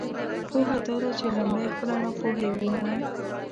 پوهه دا ده چې لمړی خپله ناپوهۍ ومنی!